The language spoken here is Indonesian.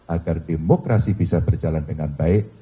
agar demokrasi bisa berjalan dengan baik